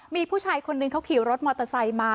มีผู้ชายคนนึงเขาขี่รถมอเตอร์ไซค์มา